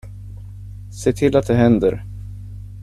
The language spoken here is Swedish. Se till att det händer.